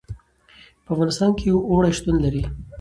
په افغانستان کې اوړي شتون لري.